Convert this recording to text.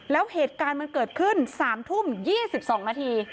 แล้วเหตุการณ์มันเกิดขึ้น๓ทุ่ม๒๒นาที